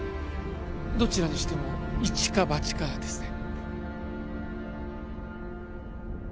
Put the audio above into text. どちらにしても一か八かですね